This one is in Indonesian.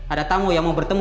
ada tamu yang mau bertemu